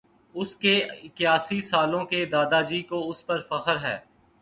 اُس کے اِکیاسی سالوں کے دادا جی کو اُس پر فخر ہے